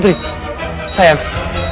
tidak saya takut